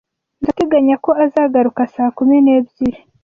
Ndateganya ko azagaruka saa kumi n'ebyiri.